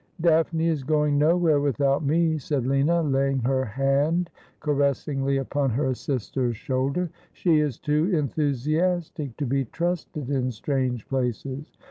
' Daphne is going nowhere without me,' said Lina, laying her hand caressingly upon her sister's shoulder. ' She is too enthu siastic to be trusted in strange places.